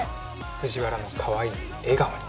藤原のかわいい笑顔に！